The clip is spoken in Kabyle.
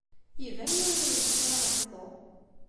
Iban yiwen ur yezmir ad aɣ-yebḍu.